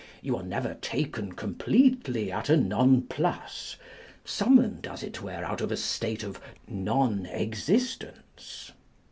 You are never taken completely at a nonplus â€" summoned, as it were, out of a state of nonexistence.